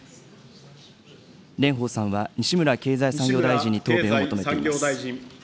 蓮舫さんは西村経済産業大臣に答弁を求めています。